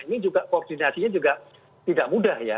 ini juga koordinasinya juga tidak mudah ya